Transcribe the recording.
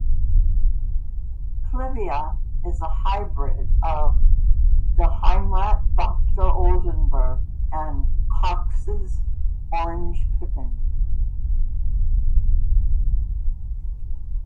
'Clivia' is a hybrid of 'Geheimrat Doctor Oldenburg' and 'Cox's Orange Pippin'.